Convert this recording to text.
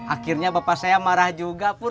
akhirnya bapak saya marah juga pun